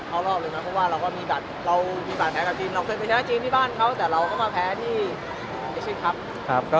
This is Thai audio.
เอารอบเลยนะเพราะว่าเราก็มีบัตรแพ้กับทีมเราเคยไปแพ้กับทีมที่บ้านเขาแต่เราก็มาแพ้ที่อีกครั้งครับ